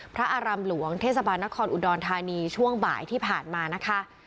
พระอารามหลวงเทศบาลนครอุดรธานีช่วงบ่ายที่ผ่านมานะคะ